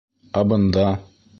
Ә бында!..